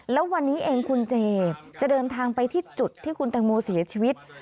แล้ววันนี้เองคุณเจจะเดินทางไปที่จุดที่คุณตังโมเสียชีวิต